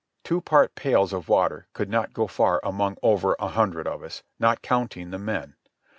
Two part pails of water could not go far among over a hundred of us, not counting the men.